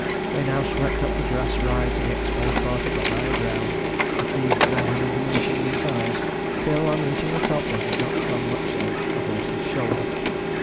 They now swept up the grass ride to the exposed part of the higher ground, the trees gradually diminishing in size, till, on reaching the top, they did not come much above a horse's shoulder.